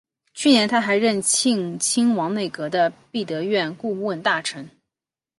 该年他还任庆亲王内阁的弼德院顾问大臣。